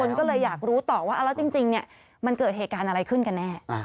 ก็เลยอยากรู้ต่อว่าแล้วจริงเนี่ยมันเกิดเหตุการณ์อะไรขึ้นกันแน่